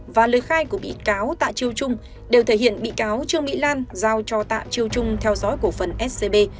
và lời khai của bị cáo tạ chiêu trung đều thể hiện bị cáo trương mỹ lan giao cho tạ chiêu trung theo dõi cổ phần scb